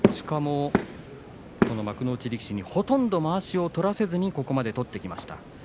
幕内力士にほとんどまわしを取らせずにここまで取ってきました。